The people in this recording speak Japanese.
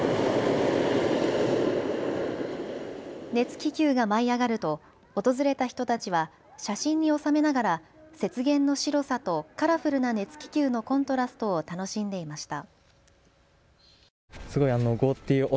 熱気球が舞い上がると訪れた人たちは写真に収めながら雪原の白さとカラフルな熱気球のコントラストを楽しんでいました。